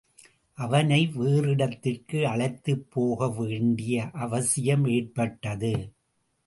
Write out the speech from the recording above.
அவனை வேறிடத்திற்கு அழைத்துப் போகவேண்டிய அவசியமேற்பட்டது.